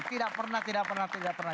tidak pernah tidak pernah tidak pernah